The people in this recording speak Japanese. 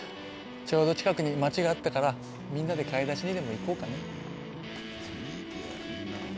ちょうど近くに街があったからみんなで買い出しにでも行こうかね。